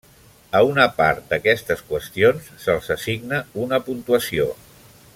A una part d'aquestes qüestions se'ls assigna una puntuació.